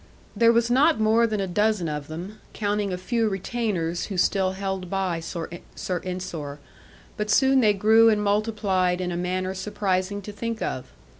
There was not more than a dozen of them, counting a few retainers who still held by Sir Ensor; but soon they grew and multiplied in a manner surprising to think of.